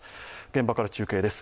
現場から中継です。